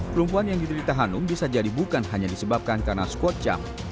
perempuan yang diderita hanum bisa jadi bukan hanya disebabkan karena skot jam